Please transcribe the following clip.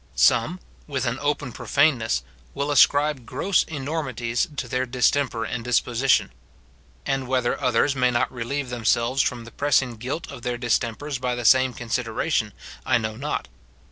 Some, with an open profaneness, will ascribe gross enormities to their temper and disposition ; and whether others may not relieve themselves from the pressing guilt of their distempers by the same considera tion, I know not.